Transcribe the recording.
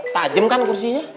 tajem kan kursinya